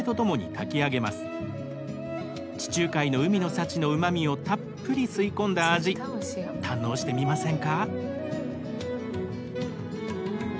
地中海の海の幸のうまみをたっぷり吸い込んだ味堪能してみませんか？